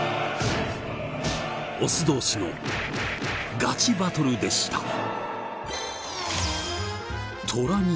オス同士のガチバトルでした。